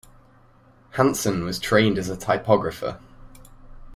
Hansen was trained as a typographer.